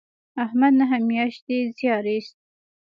احمد نهه میاشتې زیار ایست.